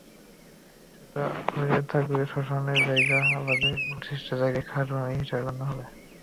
সেটা হয়ে থাকলে শ্মশানের জায়গা বাদে অবশিষ্ট জায়গা খাসভূমি হিসেবে গণ্য হবে।